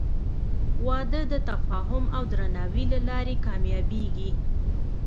• واده د تفاهم او درناوي له لارې کامیابېږي.